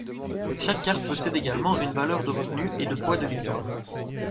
Chaque carte possède également une valeur de revenus et de points de victoire.